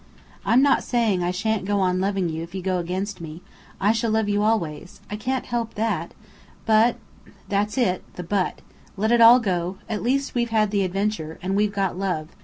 "I'm not saying I shan't go on loving you if you go against me. I shall love you always. I can't help that. But " "That's it: the 'but'. Let it all go! At least, we've had the adventure. And we've got Love.